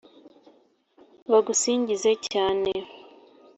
bagusingize cyane